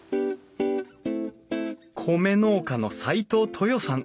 米農家の齋藤トヨさん。